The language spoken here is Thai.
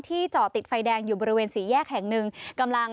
ที่จอติดไฟแดงอยู่บริเวณสีแยกแห่งหนึ่ง